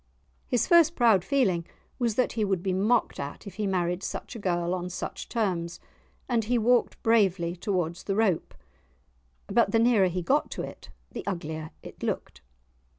His first proud feeling was that he would be mocked at if he married such a girl on such terms, and he walked bravely towards the rope. But the nearer he got to it the uglier it looked.